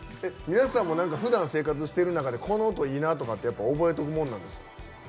皆さんも何かふだん生活してる中でこの音いいなとかってやっぱ覚えておくもんなんですか？